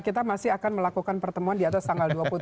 kita masih akan melakukan pertemuan di atas tanggal